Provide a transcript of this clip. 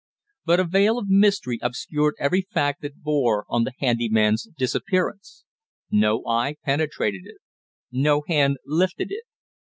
But a veil of mystery obscured every fact that bore on the handy man's disappearance; no eye penetrated it, no hand lifted it.